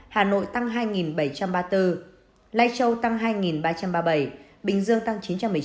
hà nội tăng hai bảy trăm ba mươi bốn lai châu tăng hai ba trăm ba mươi bảy bình dương tăng chín trăm một mươi chín